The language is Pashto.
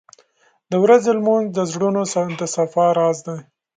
• د ورځې لمونځ د زړونو د صفا راز دی.